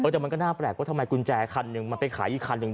แต่มันก็น่าแปลกว่าทำไมกุญแจคันหนึ่งมันไปขายอีกคันหนึ่ง